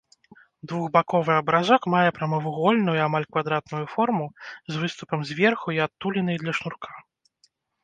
Двухбаковы абразок мае прамавугольную, амаль квадратную форму з выступам зверху і адтулінай для шнурка.